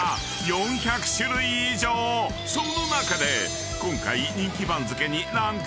［その中で今回］